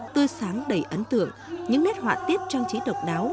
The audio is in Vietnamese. tươi sáng đầy ấn tượng những nét họa tiết trang trí độc đáo